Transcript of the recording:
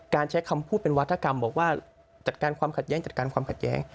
การใช้คำพูดเป็นวัตถกรรมบอกว่าจัดการความขัดแย้ง